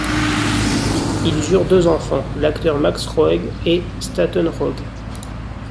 Ils eurent deux enfants, l'acteur Max Roeg et Statten Roeg.